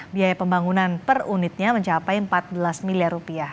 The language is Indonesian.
biaya pembangunan per unitnya mencapai empat belas miliar rupiah